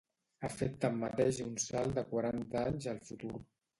Ha fet tanmateix un salt de quaranta anys al futur.